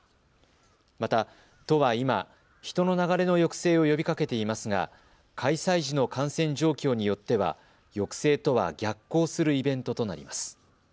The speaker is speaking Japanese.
また、都は今、人の流れの抑制を呼びかけていますが開催時の感染状況によっては抑制とは逆行するイベントとなります。